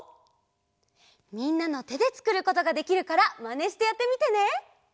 みんなのてでつくることができるからマネしてやってみてね！